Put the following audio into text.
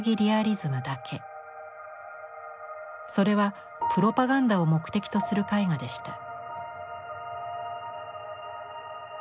それはプロパガンダを目的とする絵画でした。